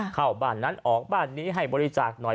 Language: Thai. เข้าบ้านนั้นออกบ้านนี้ให้บริจาคหน่อย